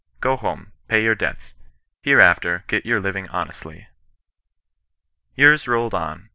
Go home. Pay your debts. Hereafter, get your living honesUy^ " Years rolled on.